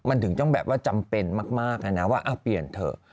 มันถึงต้องแบบว่าจำเป็นมากนะว่าเปลี่ยนเถอะ